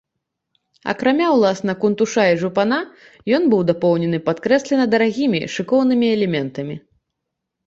Акрамя ўласна кунтуша і жупана ён быў дапоўнены падкрэслена дарагімі, шыкоўнымі элементамі.